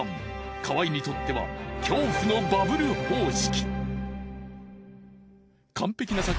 河合にとっては恐怖のバブル方式。